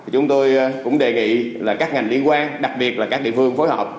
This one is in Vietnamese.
chúng tôi cũng đề nghị các ngành liên quan đặc biệt là các địa phương phối hợp